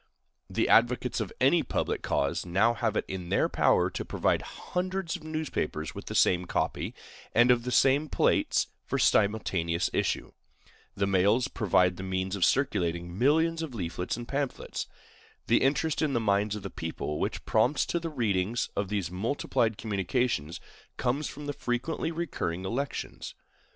The advocates of any public cause now have it in their power to provide hundreds of newspapers with the same copy, or the same plates, for simultaneous issue. The mails provide the means of circulating millions of leaflets and pamphlets. The interest in the minds of the people which prompts to the reading of these multiplied communications comes from the frequently recurring elections.